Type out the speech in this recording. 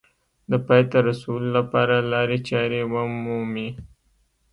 د پای ته رسولو لپاره لارې چارې ومومي